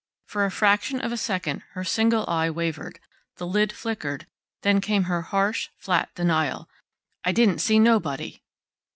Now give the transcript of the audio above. For a fraction of a second her single eye wavered, the lid flickered, then came her harsh, flat denial: "I didn't see nobody."